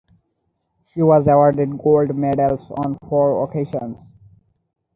She was awarded gold medals on four occasions.